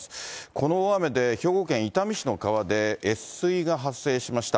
この大雨で兵庫県伊丹市の川で、越水が発生しました。